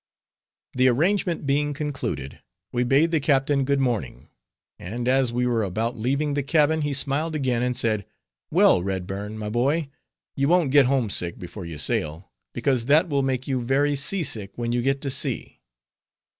The arrangement being concluded, we bade the captain good morning; and as we were about leaving the cabin, he smiled again, and said, "Well, Redburn, my boy, you won't get home sick before you sail, because that will make you very sea sick when you get to sea."